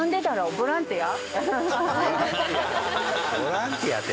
ボランティアって。